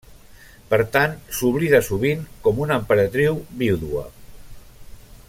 Per tant, s'oblida sovint com una emperadriu vídua.